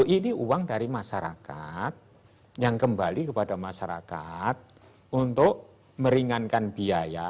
ini uang dari masyarakat yang kembali kepada masyarakat untuk meringankan biaya